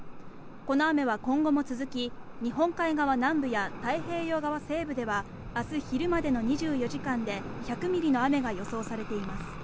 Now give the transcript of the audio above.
この雨は今後も続き日本海側南部や太平洋側西部では明日昼までの２４時間で１００ミリの雨が予想されています。